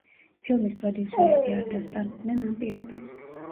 ფილმის პროდიუსერები არ დასთანხმდნენ ამ პირობებს.